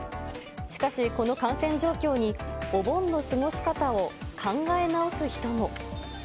しかし、この感染状況にお盆の過ごし方を考え直す人も。